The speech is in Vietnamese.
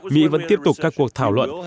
mỹ vẫn tiếp tục các cuộc thảo luận